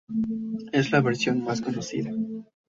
Es la versión más conocida.